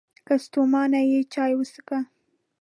که ستومانه یې، چای وڅښه!